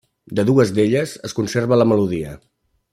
De dues d'elles es conserva la melodia.